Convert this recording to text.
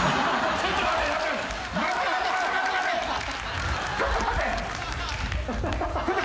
ちょっと待って。